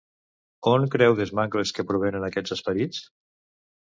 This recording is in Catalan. On creu Desmangles que provenen aquests esperits?